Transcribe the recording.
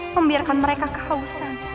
membiarkan mereka kawasan